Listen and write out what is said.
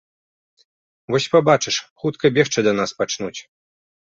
Вось пабачыш, хутка бегчы да нас пачнуць.